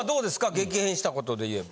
激変したことでいえば。